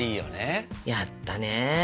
やったね。